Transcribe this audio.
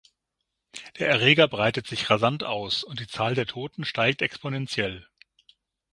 Der Erreger breitet sich rasant aus, und die Zahl der Toten steigt exponentiell.